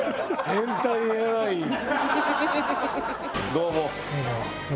どうも。